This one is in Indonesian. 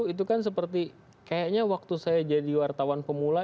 itu kan seperti kayaknya waktu saya jadi wartawan pemula